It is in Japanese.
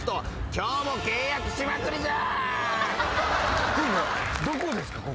今日も契約しまくりじゃ。